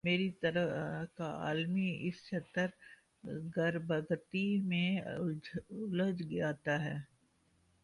میری طرح کا عامی اس شتر گربگی میں الجھ جاتا ہے۔